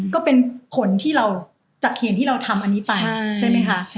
ก็เป็นผลที่เราจากเขียนที่เราทำอันนี้ไปใช่ไหมคะ